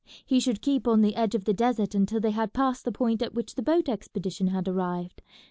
He should keep on the edge of the desert until they had passed the point at which the boat expedition had arrived.